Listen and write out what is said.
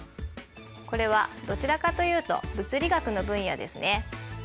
これはどちらかというと物理学の分野ですね。